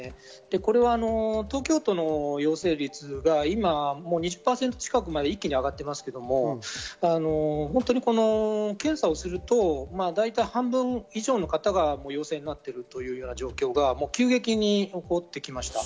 これは東京都の陽性率が今２０％近くまで一気に上がってますけれども検査をすると、だいたい半分以上の方が陽性になっている状況が急激に起こってきました。